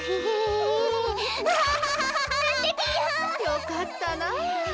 よかったな。